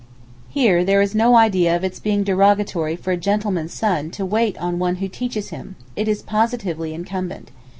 Here there is no idea of its being derogatory for a gentleman's son to wait on one who teaches him, it is positively incumbent.